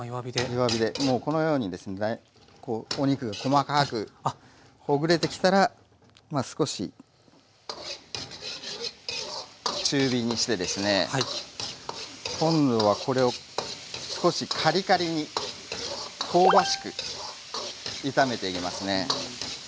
弱火でもうこのようにですねこうお肉が細かくほぐれてきたらまあ少し中火にしてですね今度はこれを少しカリカリに香ばしく炒めていきますね。